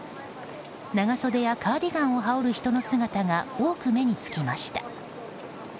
長袖やカーディガンを羽織る人の姿が、多く目につきました。